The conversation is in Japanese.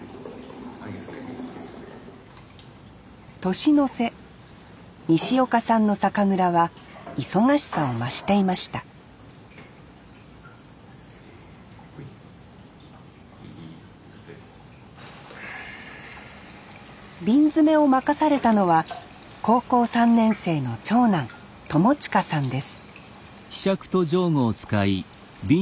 年の瀬西岡さんの酒蔵は忙しさを増していました瓶詰めを任されたのは高校３年生の長男朋慈さんです